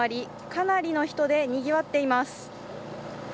かなりの人でにぎわっています。